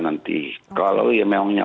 nanti kalau memangnya